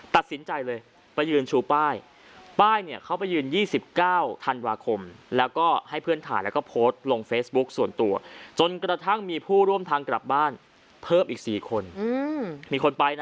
ตัดสินใจเลยไปยืนชูป้ายป้ายเนี่ยเขาไปยืน๒๙ธันวาคมแล้วก็ให้เพื่อนถ่ายแล้วก็โพสต์ลงเฟซบุ๊คส่วนตัวจนกระทั่งมีผู้ร่วมทางกลับบ้านเพิ่มอีก๔คนมีคนไปนะ